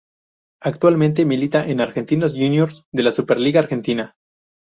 Actualmente milita en Argentinos Juniors de la Superliga Argentina.